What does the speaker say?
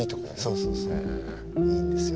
そうそうそういいんですよ。